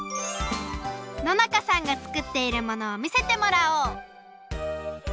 野仲さんが作っているものをみせてもらおう！